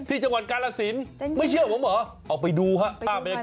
ที่จังหวัดกาลศิลป์